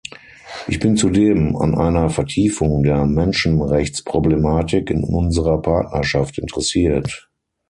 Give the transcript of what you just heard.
Ich bin zudem an einer Vertiefung der Menschenrechtsproblematik in unserer Partnerschaft interessiert.